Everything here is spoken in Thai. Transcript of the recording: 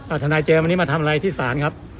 อาจารย์เจอวันนี้มาทำอะไรที่ศาลครับ